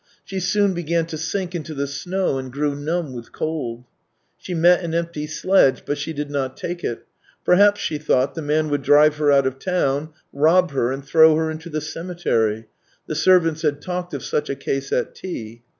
She soon began to sink into the snow and grew numb with cold. She met an empty sledge, but she did not take it: perhaps, she thought, the man would drive THREE YEARS 243 her out of town, rob her, and throw her into the cemetery (the servants had talked of such a case at tea).